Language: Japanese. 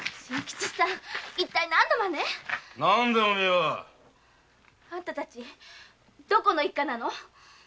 一体何のマネ何だよお前は？あんたたちどこの一家なの？